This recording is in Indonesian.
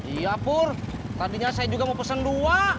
iya pur tadinya saya juga mau pesen dua